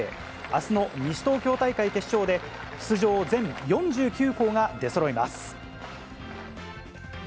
あすの西東京大会決勝で、出場全４９校が出そろいます。